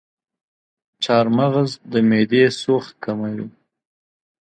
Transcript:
چارمغز د معدې سوخت کموي.